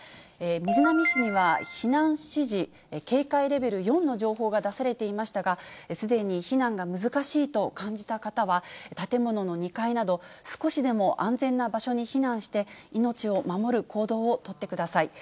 瑞浪市には避難指示、警戒レベル４の情報が出されていましたが、すでに避難が難しいと感じた方は、建物の２階など、少しでも安全な場所に避難して、命を守る行動を取ってください。